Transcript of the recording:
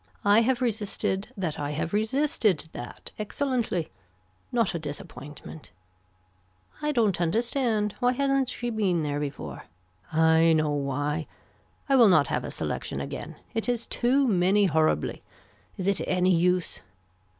I have resisted that I have resisted that excellently. Not a disappointment. I don't understand, why hasn't she been there before. I know why. I will not have a selection again. It is too many horribly. Is it any use.